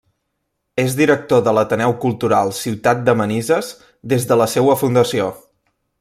És Director de l'Ateneu Cultural Ciutat de Manises des de la seua fundació.